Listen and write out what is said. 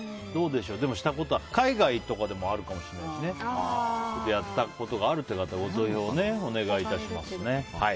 でも海外でもあるかもしれないしやったことがあるという方ご投票をお願いします。